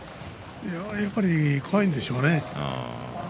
やっぱり怖いんでしょうね。